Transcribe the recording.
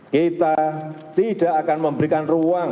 kita tidak akan memberikan ruang